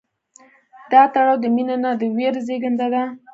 دا تړاو د مینې نه، د ویرې زېږنده دی.